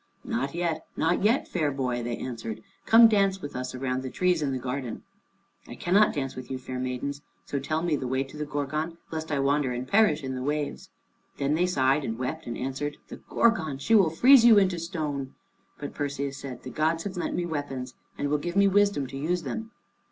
"Not yet, not yet, fair boy," they answered, "come dance with us around the trees in the garden." "I cannot dance with you, fair maidens, so tell me the way to the Gorgon, lest I wander and perish in the waves." Then they sighed and wept, and answered, "The Gorgon! She will freeze you into stone." But Perseus said, "The gods have lent me weapons, and will give me wisdom to use them."